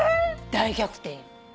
大逆転よ。